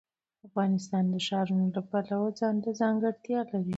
افغانستان د ښارونه د پلوه ځانته ځانګړتیا لري.